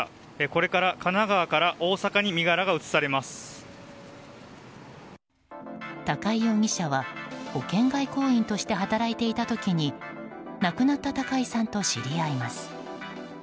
これから神奈川から高井容疑者は保険外交員として働いていた時に亡くなった高井さんと知り合います。